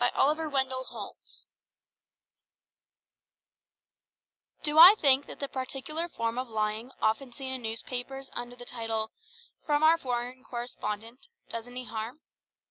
OLIVER WENDELL HOLMES FOREIGN CORRESPONDENCE Do I think that the particular form of lying often seen in newspapers under the title, "From Our Foreign Correspondent," does any harm?